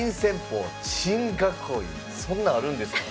そんなんあるんですか？